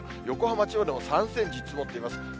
横浜、千葉でも３センチ積もっています。